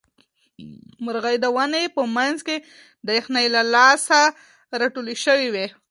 مرغۍ د ونې په منځ کې د یخنۍ له لاسه راټولې شوې وې.